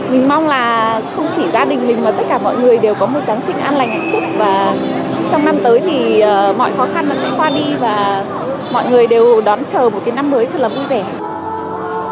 mình mong là không chỉ gia đình mình mà tất cả mọi người đều có một giáng sinh an lành hạnh phúc và trong năm tới thì mọi khó khăn nó sẽ qua đi và mọi người đều đón chờ một cái năm mới thật là vui vẻ